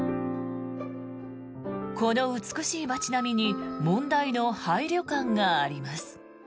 この美しい街並みに問題の廃旅館があります。